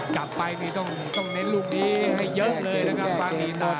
กลับไปนี่ต้องเน้นลูกนี้ให้เยอะเลยนะครับฟ้ามีตา